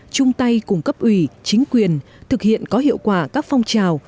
chung tay cùng cấp ủy chính quyền thực hiện có hiệu quả các phong trào